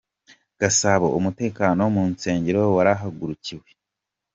Gasabo : Umutekano mu nsengero warahagurukiwe.